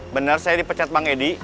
benar saya dipecat bang edi